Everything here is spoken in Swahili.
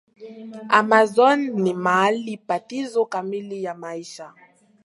Amazon ni mahali pazito kamili ya maisha